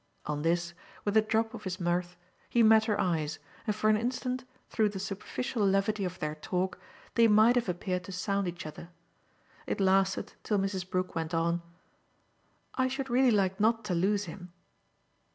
On this, with a drop of his mirth, he met her eyes, and for an instant, through the superficial levity of their talk, they might have appeared to sound each other. It lasted till Mrs. Brook went on: "I should really like not to lose him."